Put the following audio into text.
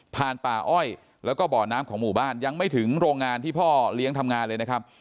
ป่าอ้อยแล้วก็บ่อน้ำของหมู่บ้านยังไม่ถึงโรงงานที่พ่อเลี้ยงทำงานเลยนะครับ